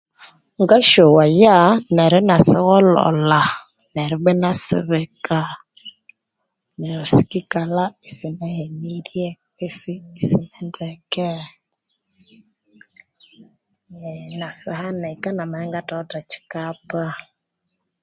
Ngasyoghaya neri inasigholholha neryo ibbwa inasibika neryo sikikalha isinahenirye issi isinendeke ee inasihanika namabya ngathawithe kyikapa